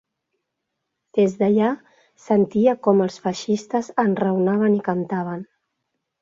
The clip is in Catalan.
Des d'allà sentia com els feixistes enraonaven i cantaven.